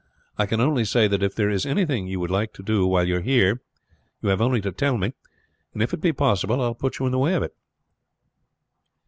I can only say that if there is anything you would like to do while you are here you have only to tell me, and if it be possible I will put you in the way of it."